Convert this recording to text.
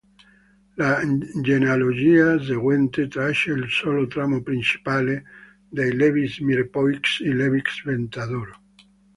La genealogia seguente traccia il solo ramo principale dei Lévis-Mirepoix e Lévis-Ventadour.